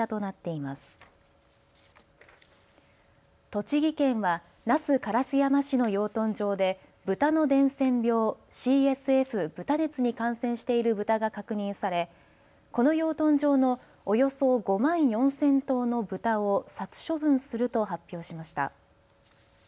栃木県は那須烏山市の養豚場でブタの伝染病、ＣＳＦ・豚熱に感染しているブタが確認されこの養豚場のおよそ５万４０００頭のブタを殺処分すると発表しました。